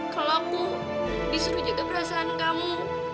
kalau aku disuruh jaga perasaan kamu